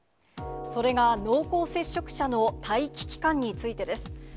それが濃厚接触者の待機期間についてです。